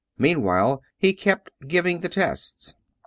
Meanwhile he kept giving the tests.